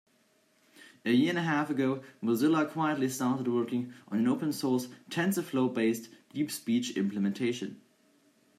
A year and a half ago, Mozilla quietly started working on an open source, TensorFlow-based DeepSpeech implementation.